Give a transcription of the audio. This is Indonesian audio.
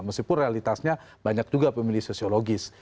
meskipun realitasnya banyak juga pemilih sosiologis